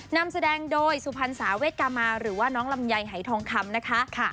นำแสดงโดยสุพรรษาเวทกามาหรือว่าน้องลำไยหายทองคำนะคะ